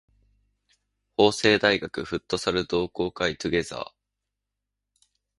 法政大学フットサル同好会 together